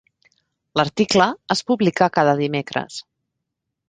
L'article es publica cada dimecres.